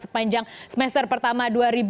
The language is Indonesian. sepanjang semester pertama dua ribu enam belas